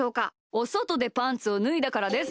おそとでパンツをぬいだからです。